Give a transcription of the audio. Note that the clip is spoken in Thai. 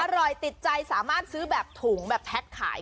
อร่อยติดใจสามารถซื้อแบบถุงแบบแพ็คขาย